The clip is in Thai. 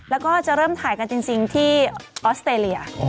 แล้วก็จะเริ่มถ่ายกันจริงที่ออสเตรเลีย